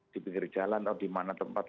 di pinggir jalan atau dimana tempat